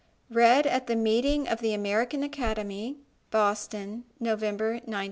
Read at the meeting of the American Academy, Boston, November, 1915.